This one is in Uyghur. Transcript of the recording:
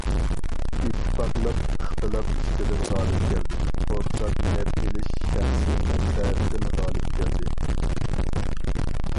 ئىتتىپاقلىق ئىختىلاپ ئۈستىدىن غالىب كەلدى، ئورتاق نەپ ئېلىش شەخسىي مەنپەئەتتىن غالىب كەلدى.